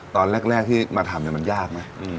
ตอนแรกที่มาทำมันยากไหม